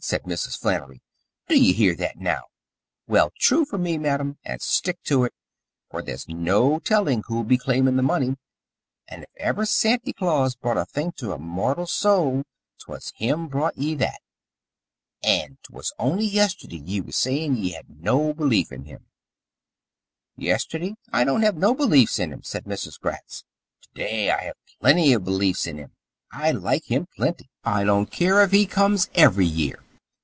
said Mrs. Flannery. "Do ye hear that now? Well, true for ye, ma'am, and stick to it, for there's no tellin' who'll be claimin' th' money, and if ever Santy Claus brought a thing to a mortal soul 't was him brought ye that. And 't was only yesterday ye was sayin' ye had no belief in him!" "Yesterday I don't have no beliefs in him," said Mrs. Gratz. "To day I have plenty of beliefs in him. I like him plenty. I don't care if he comes every year."